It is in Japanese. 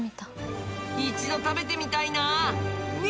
一度食べてみたいな。ね？